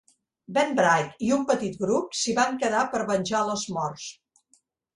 Ben Wright i un petit grup s'hi van quedar per venjar les morts.